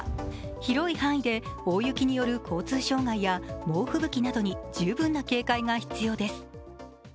広い範囲で大雪による交通障害や猛吹雪などに十分な警戒が必要です。